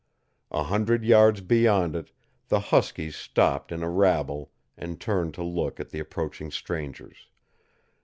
A hundred yards beyond it, the huskies stopped in a rabble and turned to look at the approaching strangers.